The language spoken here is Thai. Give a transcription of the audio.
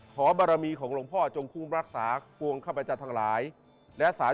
ขอบารมีของหลวงพ่อจงคุ้มรักษากวงข้าพเจ้าทั้งหลายและสาร